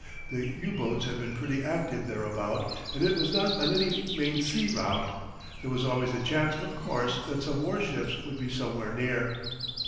The U boats had been pretty active thereabout, and it was not on any main sea route. There was always the chance, of course, that some war ships would be somewhere near.